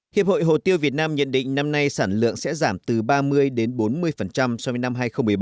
hiệp hội hồ tiêu việt nam nhận định năm nay sản lượng sẽ giảm từ ba mươi đến bốn mươi so với năm hai nghìn một mươi bảy